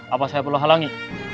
apa saya perlu halangi